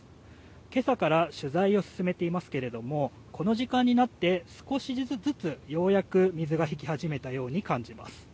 今朝から取材を進めていますけれどもこの時間になって少しずつ、ようやく水が引き始めたように感じます。